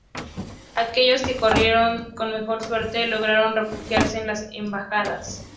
Aquellos que corrieron con mejor suerte lograron refugiarse en las embajadas.